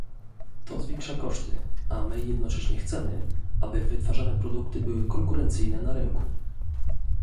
To zwiększa koszty, a my jednocześnie chcemy, aby wytwarzane produkty były konkurencyjne na rynku